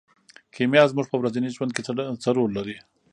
کیمیا زموږ په ورځني ژوند کې څه رول لري.